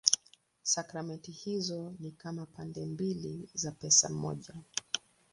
Sakramenti hizo ni kama pande mbili za pesa moja.